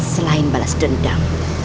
selain balas dendam